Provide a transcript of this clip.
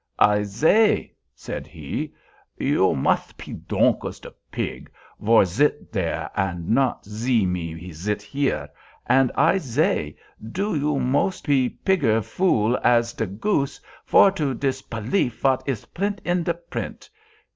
"I zay," said he, "you mos pe dronk as de pig, vor zit dare and not zee me zit ere; and I zay, doo, you mos pe pigger vool as de goose, vor to dispelief vat iz print in de print.